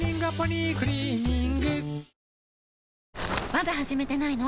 まだ始めてないの？